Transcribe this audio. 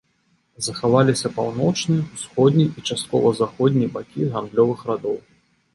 Захаваліся паўночны, усходні і часткова заходні бакі гандлёвых радоў.